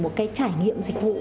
một cái trải nghiệm dịch vụ